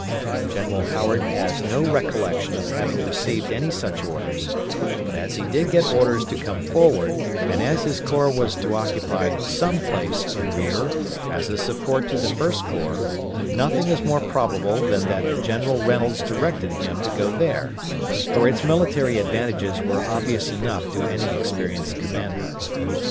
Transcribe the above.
General Howard has no recollection of having received any such orders, but as he did get orders to come forward, and as his corps was to occupy some place in rear, as a support to the First Corps, nothing is more probable than that General Reynolds directed him to go there; for its military advantages were obvious enough to any experienced commander.